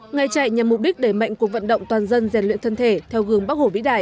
ngày chạy nhằm mục đích đẩy mạnh cuộc vận động toàn dân rèn luyện thân thể theo gương bắc hồ vĩ đại